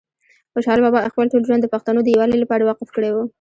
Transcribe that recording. خوشحال بابا خپل ټول ژوند د پښتنو د یووالي لپاره وقف کړی وه